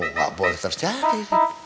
nggak boleh tersiapin